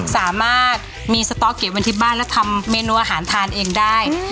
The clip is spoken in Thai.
สามารถมีสต๊อกเก็บไว้ที่บ้านและทำเมนูอาหารทานเองได้